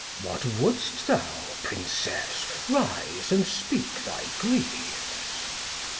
Glost. What wou'd thou. Princess? rise, and speak thy Griefs.